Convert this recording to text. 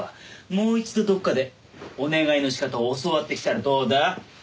もう一度どっかでお願いの仕方を教わってきたらどうだ？